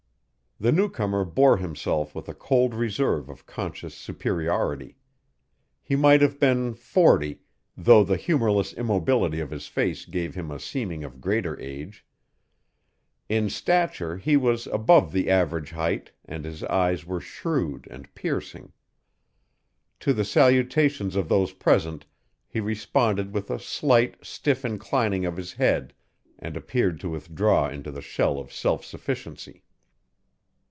The newcomer bore himself with a cold reserve of conscious superiority. He might have been forty, though the humorless immobility of his face gave him a seeming of greater age. In stature he was above the average height and his eyes were shrewd and piercing. To the salutations of those present, he responded with a slight, stiff inclining of his head and appeared to withdraw into the shell of self sufficiency.